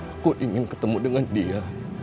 aku ingin ketemu dengan dia